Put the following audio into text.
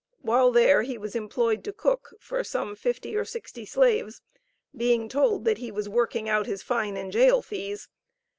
While there, he was employed to cook for some fifty or sixty slaves, being told that he was working out his fine and jail fees.